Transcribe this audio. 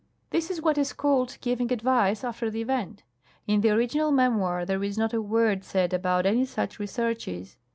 This is what is called giving advice after the event. In the original memoir there is not a word said about any such researches.